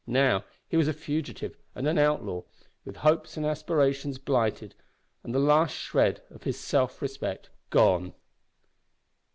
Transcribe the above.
Now, he was a fugitive and an outlaw, with hopes and aspirations blighted and the last shred of self respect gone.